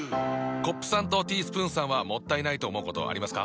コップさんとティースプーンさんはもったいないと思うことありますか？